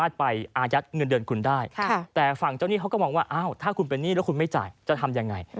แต่ฝั่งเจ้าหนี้เขาก็มองว่าถ้าคุณเป็นหนี้แล้วคุณไม่จ่ายจะทำยังไง